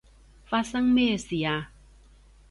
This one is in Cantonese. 發生咩事啊？